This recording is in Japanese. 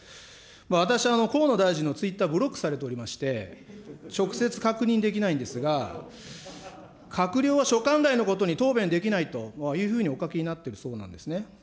私、河野大臣のツイッター、ブロックされておりまして、直接確認できないんですが、閣僚は所管外のことに答弁できないというふうに、お書きになっているそうなんですね。